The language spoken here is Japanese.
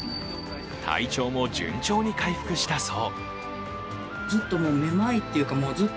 体調も順調に回復したそう。